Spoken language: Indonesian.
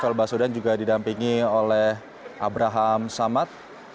novel baswedan juga didampingi oleh abraham samad